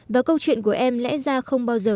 và câu chuyện của em lẽ ra không bao giờ